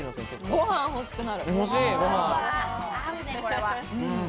ご飯が欲しくなる。